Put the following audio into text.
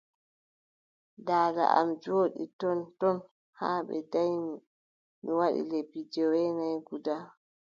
Daada am jooɗi ton ton haa ɓe danyi am mi waɗi lebbi joweenay guda.